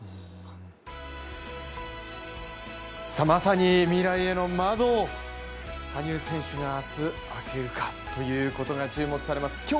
まさに未来への窓を羽生選手が明日開けるかということが注目されます。